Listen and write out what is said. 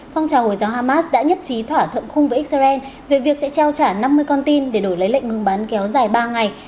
phong trào hồi giáo hamas đã nhất trí thỏa thuận khung với israel về việc sẽ trao trả năm mươi con tin để đổi lấy lệnh ngừng bắn kéo dài ba ngày